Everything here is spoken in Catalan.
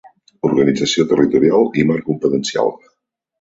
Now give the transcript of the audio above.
Organització territorial i marc competencial.